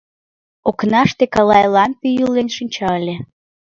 Окнаште калай лампе йӱлен шинча ыле.